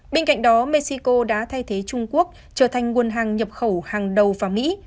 bên cạnh đó mexico đã thay thế trung quốc trở thành nguồn hàng nhập khẩu hàng đầu vào mỹ